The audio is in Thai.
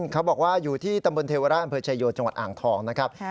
เขาบอกว่าอยู่ที่ตำบลเทวราชอำเภอชายโยจังหวัดอ่างทองนะครับ